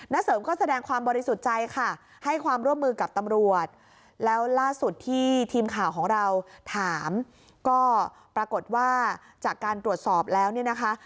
เสริมก็แสดงความบริสุทธิ์ใจค่ะให้ความร่วมมือกับตำรวจแล้วล่าสุดที่ทีมข่าวของเราถามก็ปรากฏว่าจากการตรวจสอบแล้วเนี่ยนะคะ